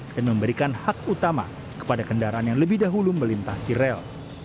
dan memberikan hak utama kepada kendaraan yang lebih dahulu melintasi rel